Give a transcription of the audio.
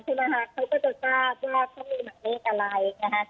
เขาก็จะทราบว่าเขามีหมายเลขอะไร